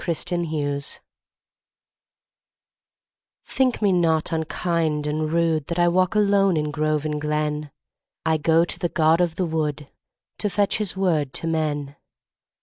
The Apology THINK me not unkind and rudeThat I walk alone in grove and glen;I go to the god of the woodTo fetch his word to men.